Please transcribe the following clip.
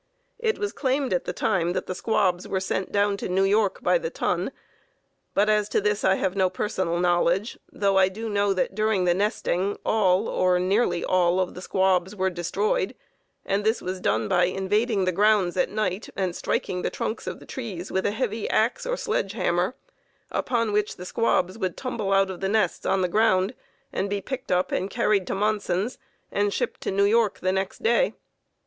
It was claimed at the time that the squabs were sent down to New York by the ton, but as to this I have no personal knowledge, though I do know that during the nesting all, or nearly all, of the squabs were destroyed, and this was done by invading the grounds at night and striking the trunks of the trees with a heavy axe or sledge hammer, upon which the squabs would tumble out of the nests on the ground, and be picked up and carried to Monson's and shipped to New York the next day.